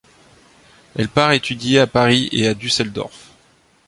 Elle part étudier à Paris et à Düsseldorf.